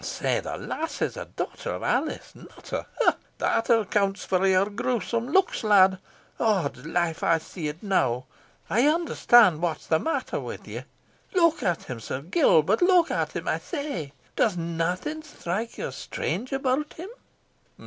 Sae the lass is a daughter of Alice Nutter, ha! That accounts for your grewsome looks, lad. Odd's life! I see it all now. I understand what is the matter with you. Look at him, Sir Gilbert look at him, I say! Does naething strike you as strange about him?"